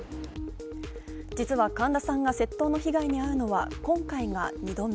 実は神田さんが窃盗の被害に遭うのは今回が２度目。